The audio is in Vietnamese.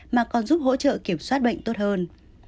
mà còn giúp hỗ trợ kiểm soát bệnh tốt hơn